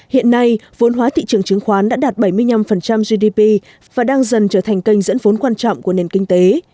hiện nay vốn hóa thị trường chứng khoán đã đạt bảy mươi năm gdp và đang dần trở thành kênh dẫn vốn quan trọng của nền kinh tế